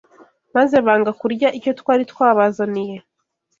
Maze banga kurya icyo twari twabazaniye.